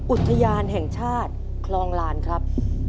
อุทยานแห่งชาติคลองลานครับ